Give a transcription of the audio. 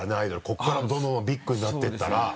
ここからどんどんどんどんビッグになっていったら。